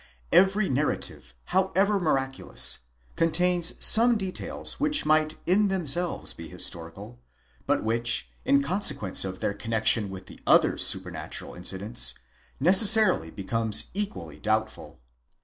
Every narrative, however miraculous, contains some details which might in themselves be historical, but which, in consequence of their connexion with the other supernatural incidents, necessarily become equally doubtful.